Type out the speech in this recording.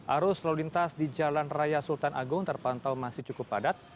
arus lalu lintas di jalan raya sultan agung terpantau masih cukup padat